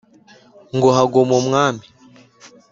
Ngo Haguma Umwami